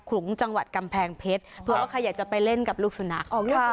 ขุงจังหวัดกำแพงเพชรเพราะว่าใครไปเล่นกับลูกสุนัข